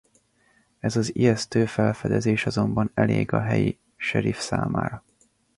Ez az ijesztő felfedezés azonban elég a helyi seriff számára.